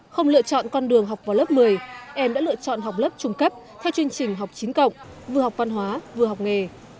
không lựa chọn con đường học vào lớp một mươi em đã lựa chọn học lớp trung cấp theo chương trình học chín cộng vừa học văn hóa vừa học nghề